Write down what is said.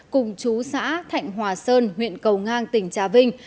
cùng chú xã thạnh hòa sơn huyện cầu ngang tỉnh trà vinh